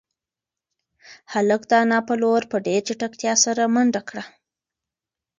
هلک د انا په لور په ډېرې چټکتیا سره منډه کړه.